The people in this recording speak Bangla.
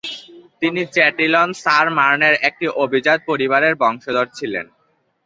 তিনি চ্যাটিলন-সার-মার্নের একটি অভিজাত পরিবারের বংশধর ছিলেন।